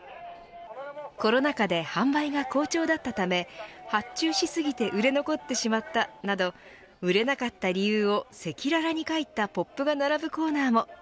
コロナ禍で販売が好調だったため発注しすぎて売れ残ってしまったなど売れなかった理由を赤裸々に書いたポップが並ぶコーナーも。